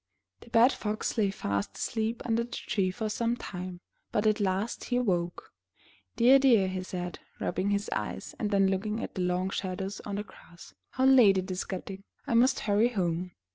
The bad Fox lay fast asleep under the tree for some time, but at last he awoke. *'Dear, dear,'* he said, rubbing his eyes and then looking at the long shadows on the grass, *'how late it is getting. I must hurry home.''